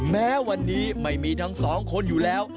แม้วันนี้ไม่มีทั้งสองคนอยู่แล้ว